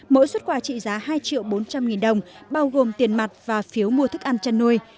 mỗi xuất quà trị giá hai triệu bốn trăm linh nghìn đồng bao gồm tiền mặt và phiếu mua thức ăn chăn nuôi